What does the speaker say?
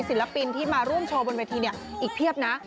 ศิลปินที่มาร่วมโชว์บนเวทีเนี่ยอีกเพียบนะ